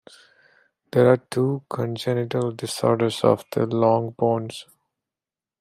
There are two congenital disorders of the long bones.